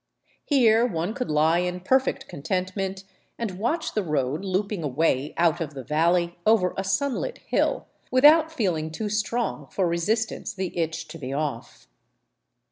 Here one could lie in perfect contentment and watch the road looping away out of the valley over a sunlit hill, with out feeling too strong for resistance the itch to be off.